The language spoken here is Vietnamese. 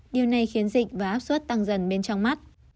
điều này khiến dịch và áp suất tăng dần bên trong mắt